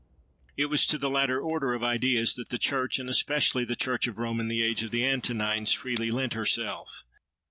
It was to the latter order of ideas that the church, and especially the church of Rome in the age of the Antonines, freely lent herself.